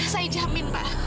saya jamin pak